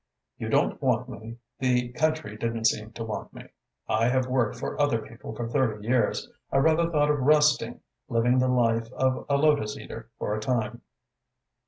"You don't want me, the country didn't seem to want me. I have worked for other people for thirty years. I rather thought of resting, living the life of a lotus eater for a time."